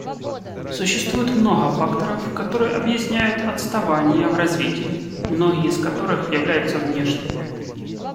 Существует много факторов, которые объясняют отставание в развитии, многие из которых являются внешними.